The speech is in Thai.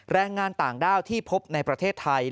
แรงงานต่างด้าวที่พบในประเทศไทย